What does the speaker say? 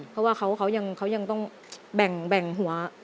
เพราะว่าเขายังต้องแบ่งหัว